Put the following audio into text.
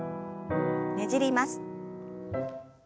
ねじります。